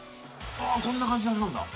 ああこんな感じで始まるんだ。